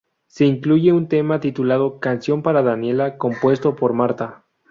Se incluye un tema titulado Canción para Daniela, compuesto por Marta.